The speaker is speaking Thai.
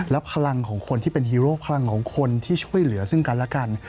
และพลังของคนที่เป็นฮีโร่พลังของคนที่ช่วยเหลือซึ่งกันและกัน